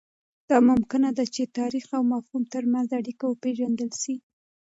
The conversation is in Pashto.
دا ممکنه ده چې د تاریخ او مفهوم ترمنځ اړیکه وپېژندل سي.